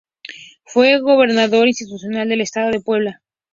Fue gobernador constitucional del Estado de Puebla.